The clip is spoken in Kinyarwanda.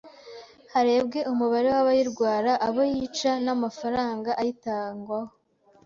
harebwe umubare w'abayirwara, abo yica, n'amafaranga ayitangwaho